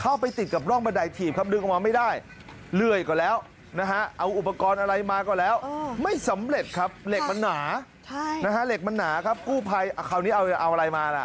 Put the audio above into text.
เอานี่เอาอะไรมาน่ะเอา